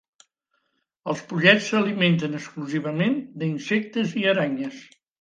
Els pollets s'alimenten exclusivament d'insectes i aranyes.